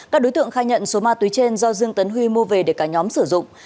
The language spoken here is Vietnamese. các đối tượng khai nhận số ma túy trên do dương tấn huy mua về để cả nhóm sử dụng